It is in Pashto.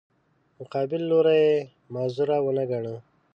مقابل لوری یې معذور ونه ګاڼه.